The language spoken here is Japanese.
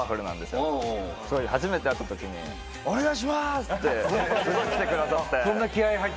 初めて会った時に「お願いします！」ってすごい来てくださって。